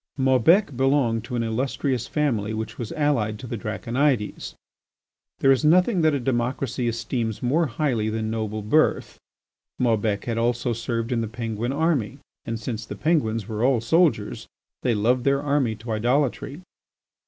Maubec belonged to an illustrious family which was allied to the Draconides. There is nothing that a democracy esteems more highly than noble birth. Maubec had also served in the Penguin army, and since the Penguins were all soldiers, they loved their army to idolatry.